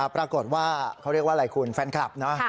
ปรากฏว่าเขาเรียกว่าอะไรคุณแฟนคลับนะ